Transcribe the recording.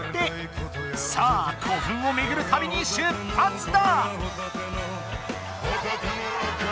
さあ古墳をめぐるたびに出ぱつだ！